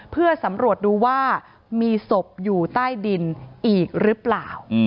เพื่อสำรวจดูว่ามีศพอยู่ใต้ดินอีกหรือเปล่า